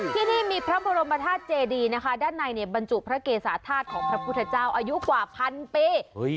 ที่นี่มีพระบรมธาตุเจดีนะคะด้านในเนี่ยบรรจุพระเกษาธาตุของพระพุทธเจ้าอายุกว่าพันปี